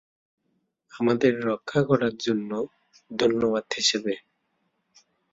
আমাদের রক্ষা করার জন্য ধন্যবাদ হিসেবে।